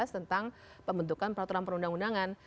tentang pembentukan peraturan perundang undangan